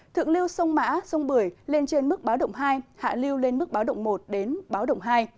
thượng lưu sông mã sông bưởi lên trên mức báo động hai hạ lưu lên mức báo động một đến báo động hai